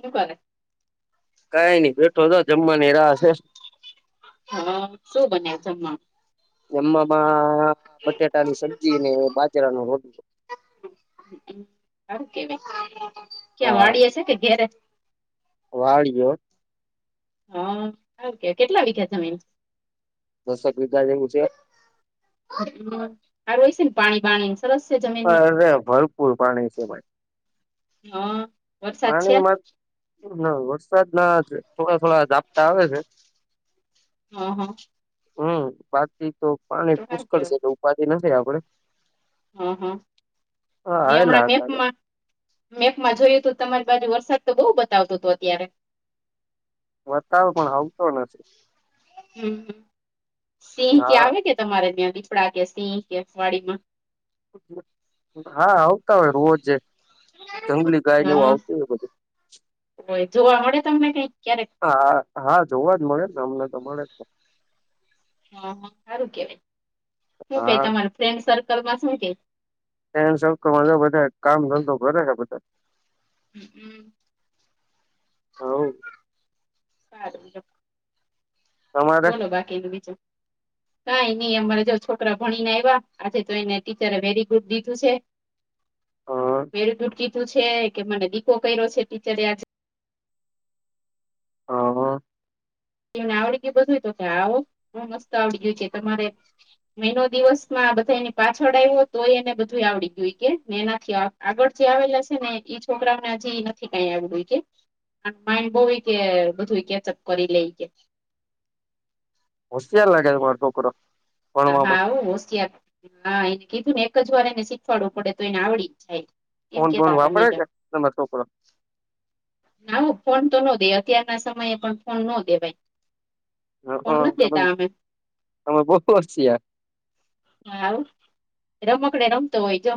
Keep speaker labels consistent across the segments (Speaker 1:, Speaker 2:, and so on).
Speaker 1: શું કરે?
Speaker 2: કઈ ની બેઠો તો જમવાની રાહશે
Speaker 1: હા શું બન્યા જમમાં?
Speaker 2: જમમાં બટાટાની સબ્જી ને બાજરા ન રો
Speaker 1: કયા વાડીએ છે, કે ઘેરે
Speaker 2: વાડીઓ
Speaker 1: હ કે કેટલા વિઘા જમીન
Speaker 2: દસેક વિઘા જેવું છે.
Speaker 1: હ સારું હોય છે, ને પાણી બાણી સરસ સે જ
Speaker 2: અરે ભયપૂર પાણી છે, ભાઈ
Speaker 1: હા. વરસાદ છે
Speaker 2: પાણીમાં ના વરસાદના થોડા થોડા ઝાપટા આવે છે.
Speaker 1: હા હા.
Speaker 2: હમ બાકી તો પાણી
Speaker 1: તો સારું
Speaker 2: પુષ્કળ છે,
Speaker 1: કેવાય
Speaker 2: એટલે ઉપાધી નથી આપડે
Speaker 1: હ હ
Speaker 2: હા
Speaker 1: મે
Speaker 2: આવેલા
Speaker 1: હમણાં
Speaker 2: હતા
Speaker 1: મેપમાં મેપમાં જોયું હતું તમારી બાજુ વરસાદ તો બહુ બતાવતો હતો અત્યારે
Speaker 2: બતાવ પણ આવતો નથી.
Speaker 1: હમ સિંહ કે
Speaker 2: હા
Speaker 1: આવે કે તમારે ત્યાં દીપડા કે સિંહ કે વાડીમા?
Speaker 2: હા આવતા હોય રોજ જંગલી ગાય ને એવું
Speaker 1: હા
Speaker 2: આવતી હોય
Speaker 1: હોય જોવા મળે તમને કઈક ક્યારે
Speaker 2: હા હા હા જોવા જ મળે ને અમને મળે જને
Speaker 1: હ હ હારું કેવાય હુ કે
Speaker 2: હા
Speaker 1: તમાર ફ્રેન્ડ સર્કલમાં શું કેય
Speaker 2: ફ્રેન્ડ સર્કલમાં તો બધા કામ ધંધો કરે બધા
Speaker 1: હમ
Speaker 2: હવ
Speaker 1: [inaudible] હારું
Speaker 2: તમારે
Speaker 1: બોલો બાકીનું બીજું કઈ ની અમારે જો છોકરા ભણીને આવ્યા આજે તો એને ટીચરે વેરી ગુડ દીધું છે.
Speaker 2: અ
Speaker 1: વેરી ગુડ કીધું છે, કે મને દીકો કર્યો છે, ટીચરે આ
Speaker 2: અ
Speaker 1: એને આવડી ગયું બધું તો આવો બો મસ્ત આવડી ગયું કે તમારે મહિનો દિવસમાં બધા એની પાછળ આવ્યો તોય એને બધું આવડી ગયું કે મે એનાથી આ આગળ જે આવેલા છે, ને એ છોકરાને હજી નથી કઈ આવડુ ઈ કે [inaudible]
Speaker 2: હોશિયાર લાગે તમારો છોકરો
Speaker 1: હા
Speaker 2: ભણવામાં
Speaker 1: આવ હોશિયાર હા એને કીધુંને એકજ વાર એને શીખવાડવું પડે તો એને આવડી જ જાય એમ
Speaker 2: ફોન બોન
Speaker 1: કેતા હતા
Speaker 2: વાપરે
Speaker 1: મેડમ
Speaker 2: છે, તમારો છોકરો
Speaker 1: ના ફોન તો ન દે અત્યારના સમયે પણ ફોન ન દેવાય
Speaker 2: હ
Speaker 1: ફોન
Speaker 2: અ
Speaker 1: નથી દેતા અમે
Speaker 2: તમ [unintelligible]
Speaker 1: હાવ રમકડે રમતો હોય જો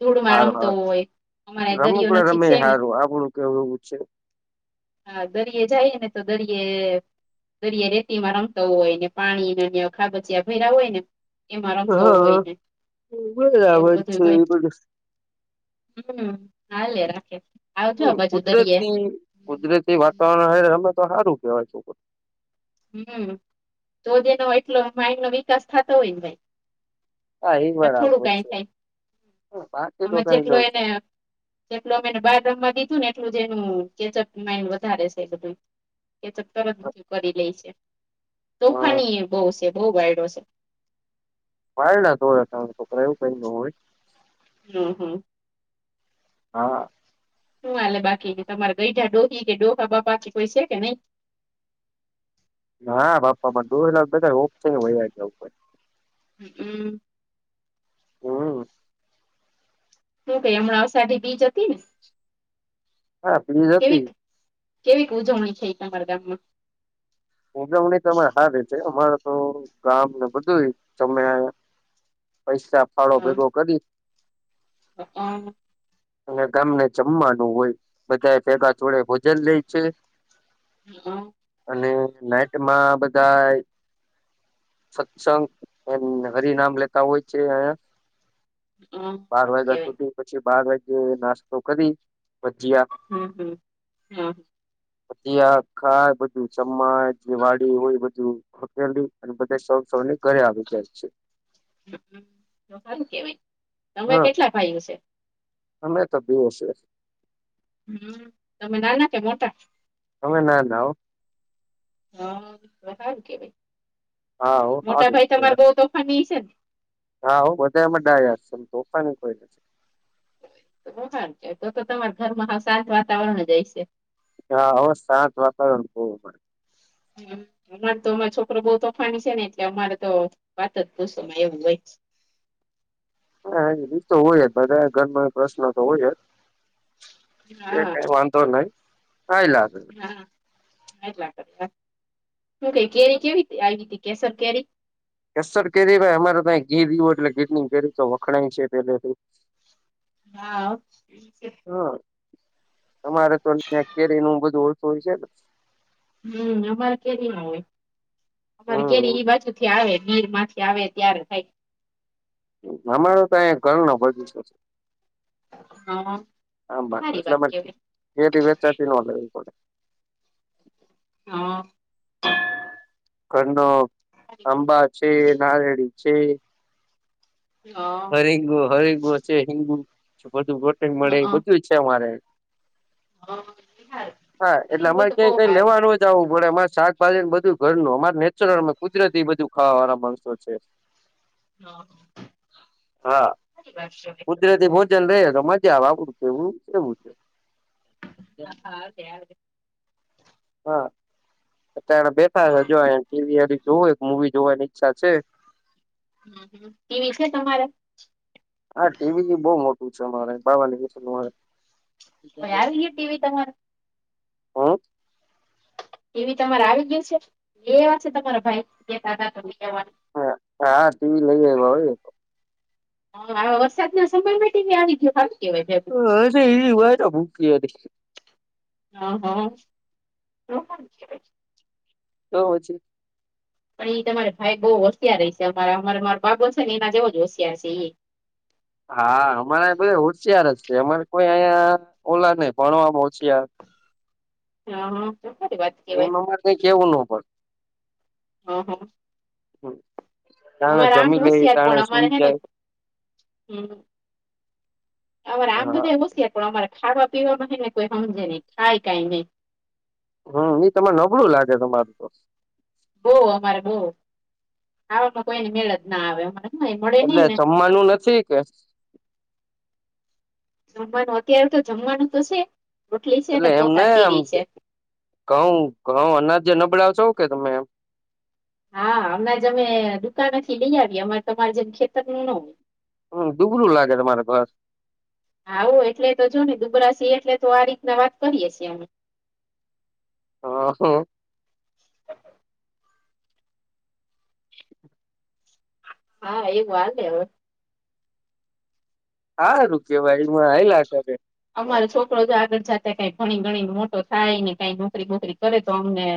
Speaker 1: ધૂળમાં રમતો હોય અમારે દરિયો
Speaker 2: રમકડે
Speaker 1: નજીક
Speaker 2: રમે
Speaker 1: છે ને
Speaker 2: હારું આપણું કેવું છે.
Speaker 1: હા દરિયે જઈએ ને તો દરિયે દરિયા રેતીમાં રમતા હોયને પાણીને નયા ખાબચિયા ભરયા હોયને એમાં રમતો
Speaker 2: હા
Speaker 1: હોયને એવું
Speaker 2: બરાબર છે
Speaker 1: બધું હોય.
Speaker 2: એ
Speaker 1: હમ હાલે રાખે. આવજો
Speaker 2: હમ
Speaker 1: આ બાજુ દરિયે
Speaker 2: કુદરતી કુદરતી વાતાવરણ હારે રમે તો હારું કેવાય છોકરો
Speaker 1: હમ, તોજેનો એટલો માઇન્ડનો વિકાસ થતો હોયને ભાઈ.
Speaker 2: હા
Speaker 1: એ થોડું
Speaker 2: બરાબર
Speaker 1: કઈ
Speaker 2: છે
Speaker 1: થાય,
Speaker 2: બાકી તો
Speaker 1: અવે
Speaker 2: કઈ ન
Speaker 1: જેટલો એને
Speaker 2: થાય
Speaker 1: જેટલો અમે એને બાર રમવા દીધું ને એટલું જ એનુ માન્ડ વધારે છે બધું. એ તો તરત બધું કરી લે છે,
Speaker 2: હ
Speaker 1: તોફાની એ બહુ છે બહુ વાયડો છે.
Speaker 2: [unintelligible]
Speaker 1: હમ હ.
Speaker 2: હા.
Speaker 1: શું આાલે બાકી તમારા ઘરડા ડોહિ કે ડોહા બાપાજી કોઈ છે કે નઈ?
Speaker 2: [unintelligible]
Speaker 1: હ હમ.
Speaker 2: હમ
Speaker 1: હું ભાઈ હમણાં સારી બીજ હતી ને?
Speaker 2: [unintelligible]
Speaker 1: કેવી ઉજવણી થઇ તમારા ગામમાં?
Speaker 2: ઉજવણી તો અમા સારી છે અમારે તો ગામને બધું સમેય પૈસા ફાળો ભેગો કરી.
Speaker 1: હું, [unintelligible]
Speaker 2: અને ગામને જમવાનું હોય, બધા ભેગા થોડે ભોજન લે છે.
Speaker 1: હ હમ.
Speaker 2: અને નાઇટમાં બધાય સત્સંગ એમ હરિ નામ લેતા હોય છે એમ.
Speaker 1: સારું
Speaker 2: બાર વાગ્યા
Speaker 1: કેવાય
Speaker 2: સુધી પછી બાર વાગે નાસ્તો કરી, ભજીયા.
Speaker 1: હું હું હું.
Speaker 2: ભજીયા ખાય બધું સમાજ વાડી હોય બધું. ટેલી અને બધા સૌ સૌની ઘરે આવી જાય છે.
Speaker 1: સારું કેવાય તમે
Speaker 2: હા
Speaker 1: કેટલા ભાઈઓ છે?
Speaker 2: અમે તોબે છે.
Speaker 1: હુ તમે નાના કે મોટાં?
Speaker 2: તમે નાના.
Speaker 1: હ કે ભાઈ
Speaker 2: હા હો સારું છે
Speaker 1: મોટા બહુ તોફાની હશે?
Speaker 2: હા, હો બધા એમે ડાયા છીએ, તોફાની કોઈ નથી.
Speaker 1: બહાર જતો તો તમારા ઘરમાં હાવ શાંત વાતાવરણ હશે.
Speaker 2: હા હવે શાંત વાતાવરણ બોવ પણ.
Speaker 1: હું. અમારે તો અમારે છોકરો બઉ તોફાન છે, ને એટલે અમારે તો વાત જ પૂછોમાં એવું હોય.
Speaker 2: હરી તો હોય જ બધા ઘરમાં પ્રશ્ન તો હોય જ. એ
Speaker 1: હા
Speaker 2: કંઈ વાંધો નહીં, કાંઈ લાગે.
Speaker 1: કેરી કેવી આવી હતી કેસર કેરી?
Speaker 2: કેસર કે ભાઈ અમારે તો ગીરનું એટલે ઘીત ની કે તો વખણાય છે પેલે.
Speaker 1: હા.
Speaker 2: હા, તમારે તો કેરીનું બધું ઓળસું હોય છે.
Speaker 1: હું અમારે કેરીનો હોય. અમારે
Speaker 2: હમ
Speaker 1: કેરીઈ બાજુથી આવે ગીરમાંથી આવે ત્યારે થાય.
Speaker 2: અમારો તો અહીંયા ઘરનો બધું.
Speaker 1: હા તો સારી વાત કેવાય
Speaker 2: [unintelligible]
Speaker 1: હા.
Speaker 2: ઘરનો
Speaker 1: સારી વાત.
Speaker 2: આંબા છે, નારયેળી છે
Speaker 1: હા
Speaker 2: હરંગુ હરિંગુ છે [unintelligible] બધું રોટંગ મળે
Speaker 1: હા
Speaker 2: બધું છે મારે
Speaker 1: હા
Speaker 2: હા એટલે
Speaker 1: સારું.
Speaker 2: અમારે
Speaker 1: તો
Speaker 2: કે
Speaker 1: બહુ
Speaker 2: કંઈ
Speaker 1: સારું
Speaker 2: લેવાનું જાવું પડે અમારે શાકભાજી બધું ઘર નું અમારે નેચરલ અમે કુદરતી ખાવાવાળના માણસો છે.
Speaker 1: હા હા.
Speaker 2: હા કુદરતી ભોજન લઈએ તો મજા આવે આવડું છે, એવું એવું છે.
Speaker 1: હા આવતે આવતે.
Speaker 2: હા અત્યારે બેઠા હે
Speaker 1: ટીવી
Speaker 2: જોવા એમ ટીવી જોવું મુવી જોવાની ઈચ્છા છે.
Speaker 1: હું ટીવી છે, તમારે?
Speaker 2: હા ટીવી બી બહુ મોટું છે, અમારે બાવન ઇંચ નું હે.
Speaker 1: ઓય આવી ગ્યું ટી વી તમારે.
Speaker 2: હમ.
Speaker 1: ટીવી તમારે ગ્યું છે, એ એવા છે, તમારા ભાઈ કેતા તા તોને કેવાનું.
Speaker 2: હા ટીવી લઈ આય્વા હોને.
Speaker 1: હા હા વરસાદના સમયમાં ટીવી આવી ગ્યું હારુ કેવાય એમ.
Speaker 2: હજી [unintelligible] એમ.
Speaker 1: હા, હા બહુ હારું કેવાય.
Speaker 2: તો હજી
Speaker 1: પણ એ તમારે ભાઈ બઉ હોશયાર હશે અમારા અમારે મારા બાબો છે ને એના જેવો જ હોશિયાર છે એય.
Speaker 2: હા અમારે બધે હોશિયાર જ છે અમારે કોઈ અહીંયા ઓલા નહી ભણવામા હોશિયાર.
Speaker 1: હ હા શું કરી વાત. કેવાય
Speaker 2: એમા માટે કેવું નો પડ
Speaker 1: હ હ.
Speaker 2: ટાણે જમી લે, ટાણે સુઈ જાય.
Speaker 1: હમ. અમારે આમ
Speaker 2: હા
Speaker 1: બધા હોશિયાર પણ અમારે ખાવા પીવા માંને કોઈ હમજે નહી ખાય કઈ નહી.
Speaker 2: હમ ઈ તને નબળું લાગે તમારું તો.
Speaker 1: બો અમારે બો ખાવામાં કોઈની મેળ જ ના આવે અમા નઈ મળે
Speaker 2: એટલે
Speaker 1: નઈને.
Speaker 2: જમવાનું નથી કે
Speaker 1: જમવાનું અત્યારે તો જમવાનું તો છે. રોટલી છે ને તોતા કેરીય છે.
Speaker 2: ઘઉ ઘઉ અનાજ જે નબળાવ છો હો કે તમે એમ.
Speaker 1: હા અનાજ અમે દુકાનોથી લઈ આવીએ. અમારે તમારે જેમ ખેતરનું ન હોય.
Speaker 2: હમ દુગનુ લાગે તમારા ભાસ.
Speaker 1: આવું એટલે તો જો ને દુબરાસી એટલે તો આ રીતના વાત કરીએ છે અમે.
Speaker 2: વાહુ.
Speaker 1: હા એ વાર લી હવે.
Speaker 2: હારૂ કેવાઈ મા આવયા તમે.
Speaker 1: અમારો છોકરો જો આગળ જાતે કઈ ભણી ગણી ને મોટો થાય ને કઈ નોકરી વોકરી કરે તો અમને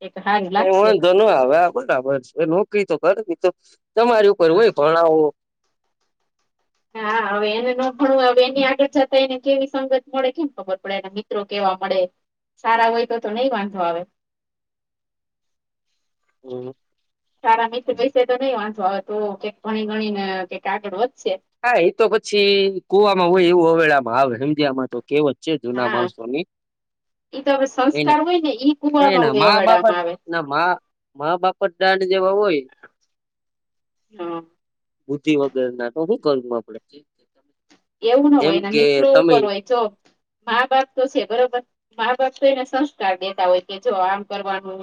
Speaker 1: એક હારું.
Speaker 2: વાંધો ન આવે આ બરાબર છે નોકરી તો કરવી તો તમારી ઉપર હોય ભણાવો
Speaker 1: હા હવે એને ન ભાણવું હવે એની આગળ જતા એને કેવી સંગત મળે કેમ ખબર પડે એના મિ ત્રો કેવા મળે સારા હોય તો તો નહી વાંધો આવે.
Speaker 2: હમ.
Speaker 1: સારા મિત્રો વિશે તો નહી વાંંધો આવે તો કઈક ભણી ગણી ને કઈક આગળ વધશે.
Speaker 2: હા એ તો પછી કુવામાં હોય એવું હવેળામાં આવે હમજ્યા આમાં તો. કેવત છે જુના
Speaker 1: હા
Speaker 2: માણસો ની.
Speaker 1: ઈ તો હવે સંસ્કાર હોય ને. ઈ
Speaker 2: તો
Speaker 1: કુવામાં
Speaker 2: એના
Speaker 1: હોય
Speaker 2: મા -બાપત
Speaker 1: અવેડામાં આવે
Speaker 2: મા મા- બાપત દાંડ જેવા હોય.
Speaker 1: હા.
Speaker 2: બુદ્ધિ વગર ના તો હું કરવું આપડે.
Speaker 1: એવું ના
Speaker 2: જેમ
Speaker 1: હોયને
Speaker 2: કે
Speaker 1: મિત્રો
Speaker 2: તમે
Speaker 1: ઉપર હોય તો. મા બાપ તો છે બરોબર મા બાપ તો એને સંસ્કાર દેતા હોય કે જો આમ કરવાનું.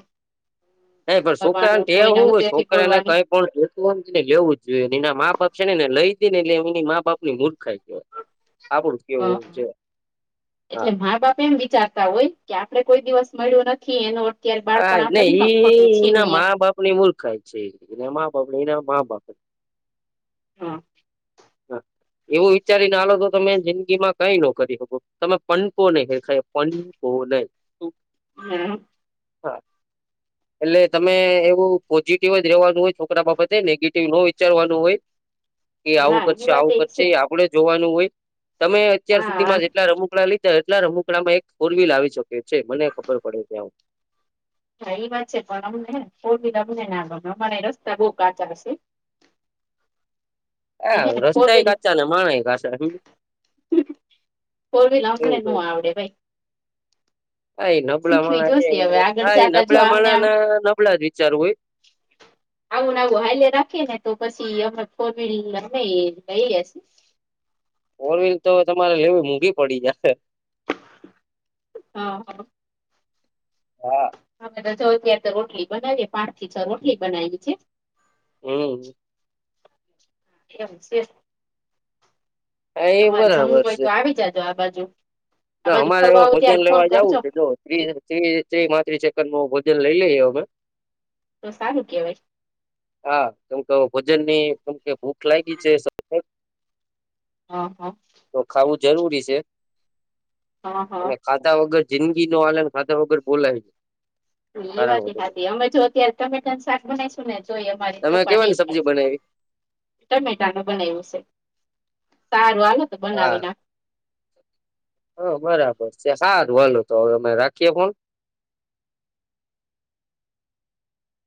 Speaker 2: નહી પણ છોકરાને
Speaker 1: કરવાનું
Speaker 2: ટેવ
Speaker 1: કોઈને
Speaker 2: હું હોય
Speaker 1: ઉચેથી
Speaker 2: છોકરા ને
Speaker 1: બોલવાનું
Speaker 2: કઈ પણ એ આમને લેવું જ જોયએ એના મા બાપ છે ને એને લઈ દ ને એટલે એમની મા બાપ ની નૂર્ખાઈ કેવાય. આપડુ
Speaker 1: હા,
Speaker 2: કેવું જ.
Speaker 1: એટલે મા બાપ એમ વિચારતા હોય કે આપડે કોઈ દિવસ મળ્યો નથી એનો
Speaker 2: હા ને ઈ એના મા બાપ ની મૂર્ખાય છે એના મા બાપ ને એના મા બાપ.
Speaker 1: હા.
Speaker 2: હા એવું વિચારી ના આલો તો તમે જિંદગી માં કઈ ન કરી શકો તમે પંકો નહી ખેખાય પનકો નહી. [unintelligible]
Speaker 1: હમ.
Speaker 2: હા.
Speaker 1: [inaudible]
Speaker 2: એટલે તમે એવું પોઝિટિવ જ રેવાનું હોય છોકરા બાબતે નેગેટિવ ન વિચારવાનું હોય.
Speaker 1: [inaudible]
Speaker 2: કે આવું
Speaker 1: એ
Speaker 2: કરશે
Speaker 1: વાત
Speaker 2: આવું કરશે
Speaker 1: છે
Speaker 2: એ આપડે જોવાનું હોય, તમે અત્યાર
Speaker 1: હા
Speaker 2: સુધીમાં જેટલા રમૂકડા લી એટલા રમુકડામાં એક ફોર વ્હીલ આવી શકે છે મને ખબર પડે ત્યાં.
Speaker 1: હા એ વાત છે પણ અમને ફોર વ્હીલ અમને ના ગમે અમારે રસ્તા બઉ કાચા હશે. ને
Speaker 2: હા
Speaker 1: હે ને ફોર
Speaker 2: રસ્તા ઍ
Speaker 1: વ્હીલ
Speaker 2: કાચા અને માણ ય કાચા.
Speaker 1: ફોર વ્હીલ
Speaker 2: એવું
Speaker 1: અમને
Speaker 2: છે
Speaker 1: નો આવડે ભાઈ.
Speaker 2: હા એ નબળા
Speaker 1: શીખવી
Speaker 2: માણા
Speaker 1: જોશે
Speaker 2: એને
Speaker 1: હવે આગળ
Speaker 2: હા એ
Speaker 1: જતા
Speaker 2: નબળા માણા ના નબળા જ વિચાર હોય.
Speaker 1: [inaudible] આવુંને આવું હાલ્યે રાખીએ ને તો પછી અમે ફોર વ્હીલ અમે લઈ લેશું.
Speaker 2: ફોર વ્હીલ તો તમારે લેવી મૂઘી પડી જાહે.
Speaker 1: હા હા.
Speaker 2: હા.
Speaker 1: અ તો ચ તાર તો રોટલી બનાવીએ પાંચ થી છ રોટલી બનાયવી છે.
Speaker 2: હમ.
Speaker 1: એમ શે.
Speaker 2: હા એ
Speaker 1: તમારે જમવું
Speaker 2: બરાબર
Speaker 1: હોય
Speaker 2: છે
Speaker 1: તો આવી જાજો આ બાજુ. આ બાજુ
Speaker 2: અમારે હ
Speaker 1: ફરવા આવો
Speaker 2: ભોજન
Speaker 1: ત્યારે ફોન
Speaker 2: લેવા જવું
Speaker 1: કરજો
Speaker 2: છે જો ત્રી પાત્રીસ સેકન્ડમાં ભોજન લઈ લઈએ અમે.
Speaker 1: તો સારું કેવાય.
Speaker 2: હા કેમકે ભોજનની કેમ કે ભૂખ લાયગી છે સતત.
Speaker 1: હ હા.
Speaker 2: તો ખાવું જરૂરી છે.
Speaker 1: હા હા.
Speaker 2: અને ખાધા વગર જિંદગી નો હાલે ખાધા વગર બોલાય ની.
Speaker 1: એ વાત ય હાચી હ અમે જો અત્યારે ટમેટાનું શાક બનાઈશું ને જો એમ.
Speaker 2: તમે કેવાની સબ્જી બનાયવી?
Speaker 1: ટમેટાનું બનાયવું છે, સારું હાલો તો
Speaker 2: હા
Speaker 1: બનાવી નાખું.
Speaker 2: હ બરાબર છે સારુ હાલો તો હવે અમે રાખીએ ફૉન